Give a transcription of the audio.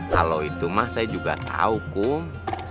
kalau itu mah saya juga tahu kum